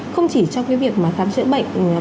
không chỉ trong cái việc khám chữa bệnh